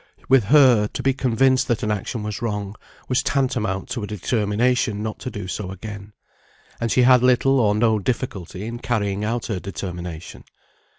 With her, to be convinced that an action was wrong, was tantamount to a determination not to do so again; and she had little or no difficulty in carrying out her determination.